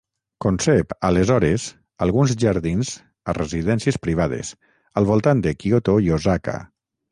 Concep aleshores alguns jardins a residències privades, al voltant de Kyoto i Osaka.